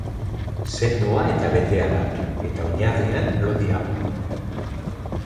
Sendoa eta betea da, eta oinarrian lodiagoa.